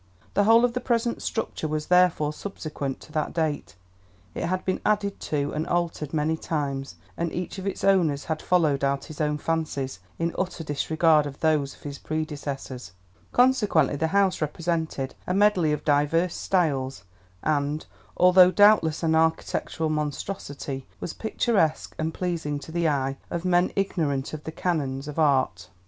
The whole of the present structure was therefore subsequent to that date; it had been added to and altered many times, and each of its owners had followed out his own fancies in utter disregard of those of his predecessors; consequently the house represented a medley of diverse styles, and, although doubtless an architectural monstrosity, was picturesque and pleasing to the eye of men ignorant of the canons of Art.